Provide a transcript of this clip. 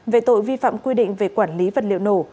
về tội vi phạm quy định về quản lý vật liệu nổ